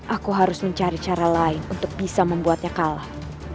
aku harus mencari cara lain untuk bisa membuatnya kalah